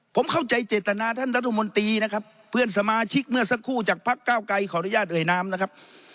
ผมเข้าใจเจตนาท่านรัฐมนตรีนะครับเพื่อนสมาชิกเมื่อสักครู่จากพักเก้าไกรขออนุญาตเอ่ยนามนะครับ